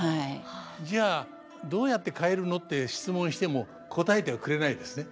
じゃあどうやって変えるのって質問しても答えてはくれないですね。